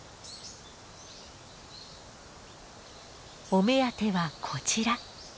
お目当てはこちら。